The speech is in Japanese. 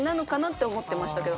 て思ってましたけど。